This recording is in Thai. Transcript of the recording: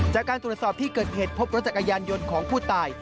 จากการตรวจสอบที่เกิดเหตุพบรถจักรยานยนต์ของผู้ตาย